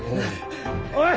おい！